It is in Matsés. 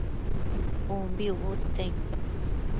ubi ucbudtsenquioc